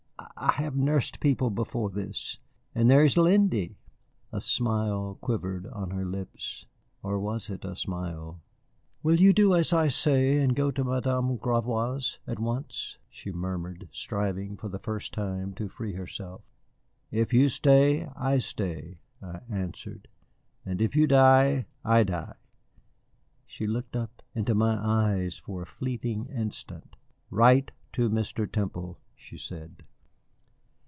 I I have nursed people before this. And there is Lindy." A smile quivered on her lips, or was it a smile? "You will do as I say and go to Madame Gravois's at once," she murmured, striving for the first time to free herself. "If you stay, I stay," I answered; "and if you die, I die." She looked up into my eyes for a fleeting instant. "Write to Mr. Temple," she said.